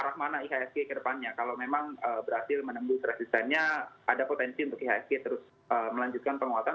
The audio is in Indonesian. kalau memang berhasil menembus resistancenya ada potensi untuk ihsg terus melanjutkan penguatan